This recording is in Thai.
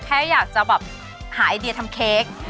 แค่อยากจะแบบหาไอเดียทำเค้ก